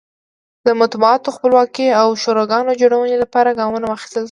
د مطبوعاتو خپلواکۍ او د شوراګانو جوړونې لپاره ګامونه واخیستل شول.